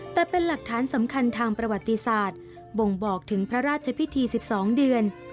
แต่เป็นหลักฐานสำคัญทางประวัติศาสตร์บ่งบอกถึงพระราชพิธี๑๒เดือน